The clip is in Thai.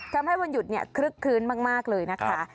ทำให้วันหยุดคลึกคืนมากเลยนะคะ